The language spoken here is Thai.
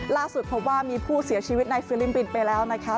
ล่าสุดพบว่ามีผู้เสียชีวิตในฟิลิปปินส์ไปแล้วนะคะ